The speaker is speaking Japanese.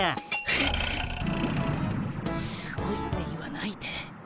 えすごいって言わないで。